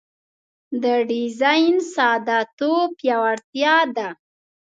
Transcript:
د ډیزاین ساده توب پیاوړتیا ده.